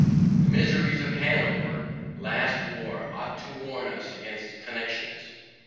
The miseries of Hanover last war ought to warn us against connexions.